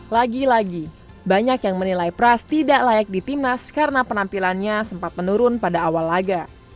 lagi lagi banyak yang menilai pras tidak layak di timnas karena penampilannya sempat menurun pada awal laga